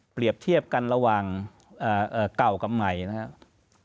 เทียบกันระหว่างเก่ากับใหม่นะครับ